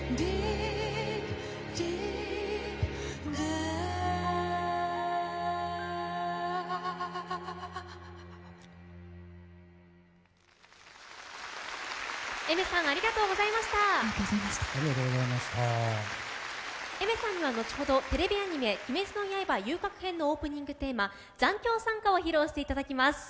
Ａｉｍｅｒさんには、後ほどテレビアニメ「鬼滅の刃“遊郭編”」のオープニングテーマ「残響散歌」を披露していただきます。